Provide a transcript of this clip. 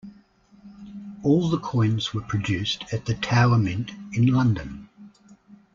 All the coins were produced at the Tower Mint in London.